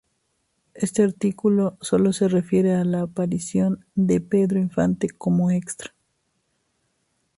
Este artículo solo se refiere a la aparición de Pedro Infante como extra.